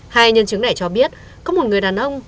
hai nhân chứng này cho biết có một người đàn ông